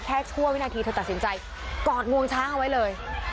ชั่ววินาทีเธอตัดสินใจกอดงวงช้างเอาไว้เลย